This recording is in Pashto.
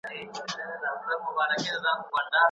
قصاص د عدل او انصاف د تامین لپاره یو پیاوړی قانون دی.